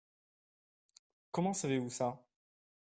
Comment savez-vous ça ?